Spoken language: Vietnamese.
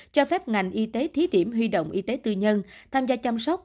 cho phép ngành y tế thí điểm huy động y tế tư nhân tham gia chăm sóc